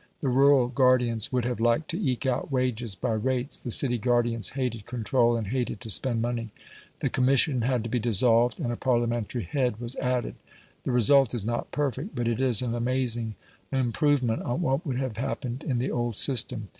The rural guardians would have liked to eke out wages by rates; the city guardians hated control, and hated to spend money. The Commission had to be dissolved, and a Parliamentary head was added; the result is not perfect, but it is an amazing improvement on what would have happened in the old system.